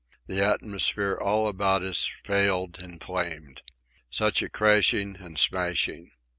The atmosphere all about us paled and flamed. Such a crashing and smashing!